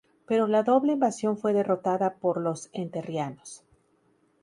Pero la doble invasión fue derrotada por los entrerrianos.